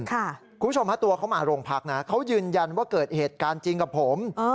คุณผู้ชมฮะตัวเขามาโรงพักนะเขายืนยันว่าเกิดเหตุการณ์จริงกับผม